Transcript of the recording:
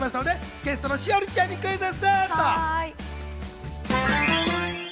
ゲストの栞里ちゃんにクイズッス！